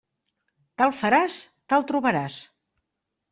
Tal faràs, tal trobaràs.